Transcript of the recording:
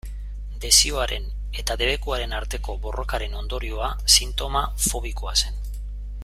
Desioaren eta debekuaren arteko borrokaren ondorioa sintoma fobikoa zen.